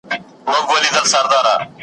او پخپله نا آشنا ده له نڅا او له مستیو .